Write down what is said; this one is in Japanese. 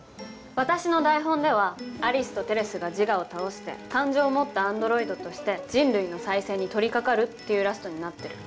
私の台本ではアリスとテレスがジガを倒して感情を持ったアンドロイドとして人類の再生に取りかかるっていうラストになってる。